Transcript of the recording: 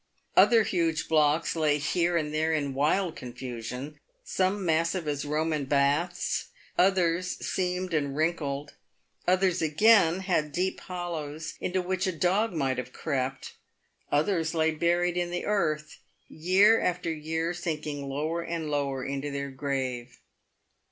Other huge blocks lay here and there in wild confusion, some massive as Roman baths, others seamed and wrinkled ; others again had deep hollows into which a dog might have crept ; others lay buried in the "earth, year after year sinking lower and lower into their grave.